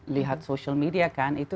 lihat social media kan itu